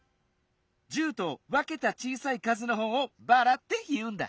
１０とわけたちいさいかずのほうを「ばら」っていうんだ。